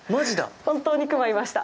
本当に熊いました。